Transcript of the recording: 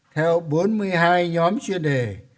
theo bốn mươi hai nhóm chuyên đề